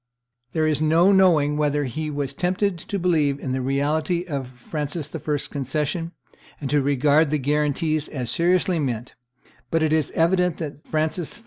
There is no knowing whether he was tempted to believe in the reality of Francis I.'s concession, and to regard the guarantees as seriously meant; but it is evident that Francis I.